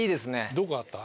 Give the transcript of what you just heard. どこあった？